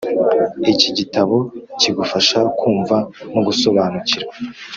iki gitabo, kigufasha kumva no gusobanukirwa